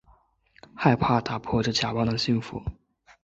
害怕打破这假扮的幸福